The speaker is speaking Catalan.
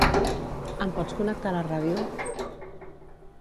Em pots connectar la ràdio?